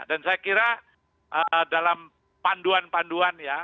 dan saya kira dalam panduan panduan ya